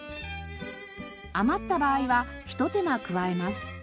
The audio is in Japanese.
余った場合はひと手間加えます。